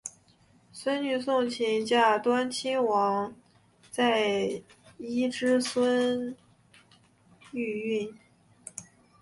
孙女诵琴嫁端亲王载漪之孙毓运。